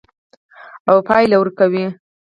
او پایله ورکوي.